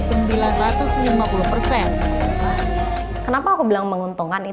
mengapa saya mengatakan ini adalah menguntungkan